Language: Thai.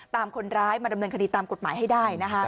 ตามคนร้ายมาดำเนินคดีตามกฎหมายให้ได้นะคะ